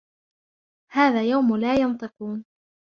هَذَا يَوْمُ لَا يَنْطِقُونَ